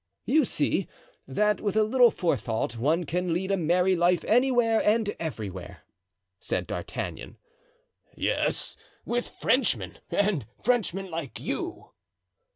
"You see, that with a little forethought one can lead a merry life anywhere and everywhere," said D'Artagnan. "Yes, with Frenchmen, and Frenchmen like you."